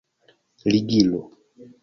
ligilo